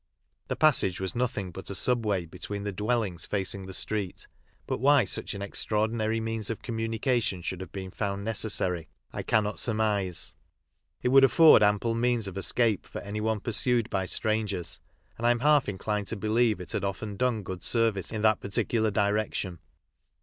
The passage was nothingbuta subway beneath the dwellings facing the street, but why such an extraordinary means of communication should have been found necessary I cannot surmise. It would afford ample means of escape for anyone pursued by strangers, and I am half inclined to believe it had often done good service in that particular direction.